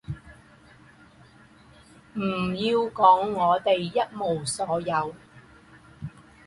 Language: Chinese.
不要说我们一无所有，